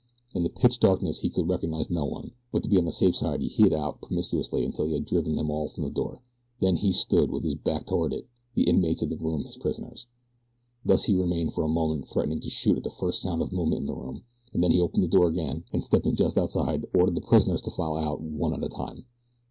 In the pitch darkness he could recognize no one; but to be on the safe side he hit out promiscuously until he had driven them all from the door, then he stood with his back toward it the inmates of the room his prisoners. Thus he remained for a moment threatening to shoot at the first sound of movement in the room, and then he opened the door again, and stepping just outside ordered the prisoners to file out one at a time.